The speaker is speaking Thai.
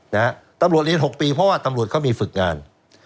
นะฮะตำรวจเรียนหกปีเพราะว่าตำรวจเขามีฝึกงาน